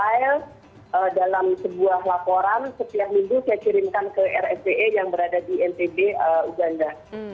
nah itu semua saya compile dalam sebuah laporan setiap minggu saya kirimkan ke rsbe yang berada di ntb uganda